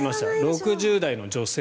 ６０代の女性。